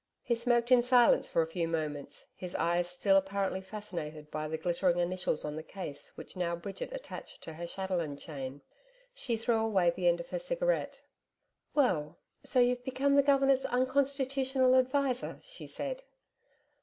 He smoked in silence for a few moments, his eyes still apparently fascinated by the glittering initials on the case which now Bridget attached to her chatelaine chain. She threw away the end of her cigarette. 'Well, so you've become the Governor's unconstitutional adviser?' she said.